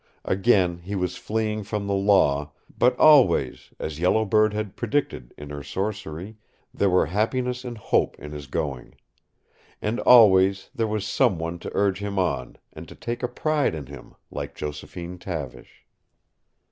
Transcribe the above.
Again he was fleeing from the law, but always, as Yellow Bird had predicted in her sorcery, there were happiness and hope in his going. And always there was someone to urge him on, and to take a pride in him, like Josephine Tavish.